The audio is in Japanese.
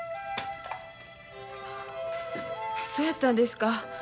そやったんですか。